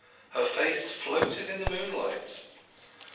Her face floated in the moonlight.